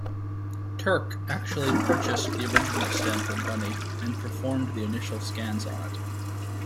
Turk actually purchased the original Stanford Bunny, and performed the initial scans on it.